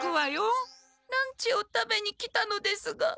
ランチを食べに来たのですが。